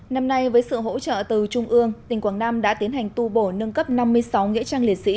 năm nay với sự hỗ trợ từ trung ương tỉnh quảng nam đã tiến hành tu bổ nâng cấp năm mươi sáu nghĩa trang liệt sĩ